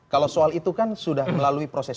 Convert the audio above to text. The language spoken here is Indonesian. kalau soal itu kan sudah melalui proses